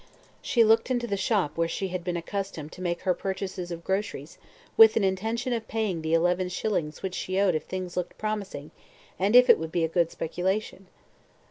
She looked into the shop where she had been accustomed to make her purchases of groceries, with an intention of paying the eleven shillings which she owed if things looked promising, and if it would be a good speculation.